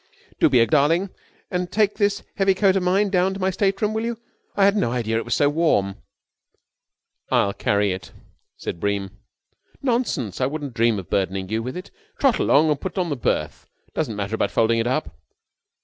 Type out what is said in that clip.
"Do be a darling and take this great heavy coat of mine down to my state room will you? I had no idea it was so warm." "I'll carry it," said Bream. "Nonsense. I wouldn't dream of burdening you with it. Trot along and put it on the berth. It doesn't matter about folding it up."